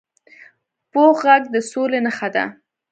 پوخ غږ د سولي نښه ده